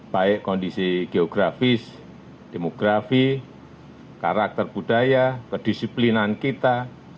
baik kondisi geografis demografi karakter budaya kedisiplinan kita